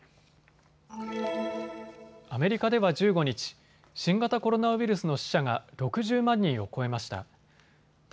アメリカでは１５日、新型コロナウイルスの死者が６０万人を超えました。